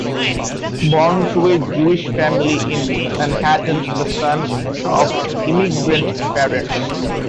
Born to a Jewish family in Manhattan, the son of immigrant parents.